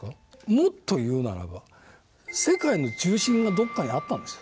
もっと言うならば世界の中心がどこかにあったんですよ。